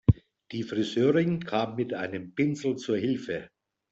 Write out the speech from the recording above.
Die Friseurin kam mit einem Pinsel zu Hilfe.